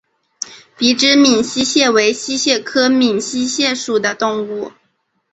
鼻肢闽溪蟹为溪蟹科闽溪蟹属的动物。